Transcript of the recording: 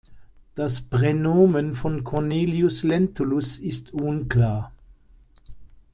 Das Pränomen von Cornelius Lentulus ist unklar.